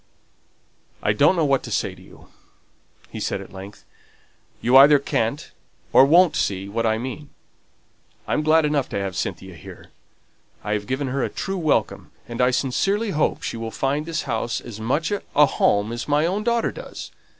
"I don't know what to say to you," he said at length. "You either can't or won't see what I mean. I'm glad enough to have Cynthia here. I have given her a true welcome, and I sincerely hope she will find this house as much a home as my own daughter does.